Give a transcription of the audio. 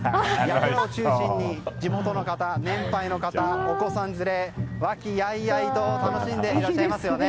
中心に地元の方、年配の方お子さん連れ和気あいあいと楽しんでいらっしゃいますよね。